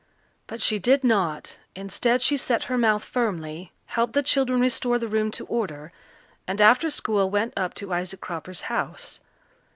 But she did not. Instead she set her mouth firmly, helped the children restore the room to order, and after school went up to Isaac Cropper's house.